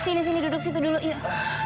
sini sini duduk situ dulu yuk